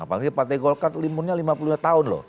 apalagi partai golkart limurnya lima puluh lima tahun loh